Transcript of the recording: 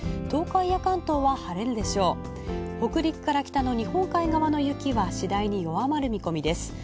東海や関東は晴れるでしょう、北陸から日本海側の雪は、次第に弱まる見込みです。